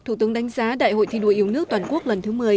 thủ tướng đánh giá đại hội thi đua yêu nước toàn quốc lần thứ một mươi